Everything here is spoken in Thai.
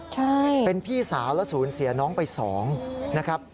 ใช่เป็นพี่สาวแล้วศูนย์เสียน้องไปสองนะครับ